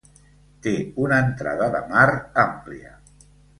Té una entrada de mar àmplia.